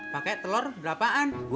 pakai telur berapaan